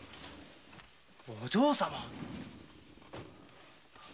お嬢様！